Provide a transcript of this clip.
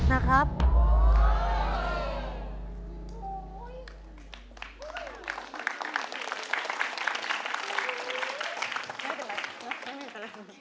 ฮาวะละพร้อม